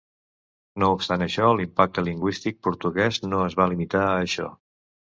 No obstant això, l'impacte lingüístic portuguès no es va limitar a això.